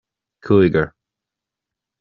cúigear